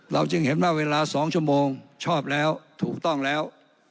จึงเห็นว่าเวลา๒ชั่วโมงชอบแล้วถูกต้องแล้ว